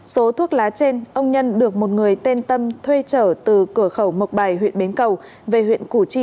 số thuốc lá trên ông nhân được một người tên tâm thuê trở từ cửa khẩu mộc bài huyện bến cầu về huyện củ chi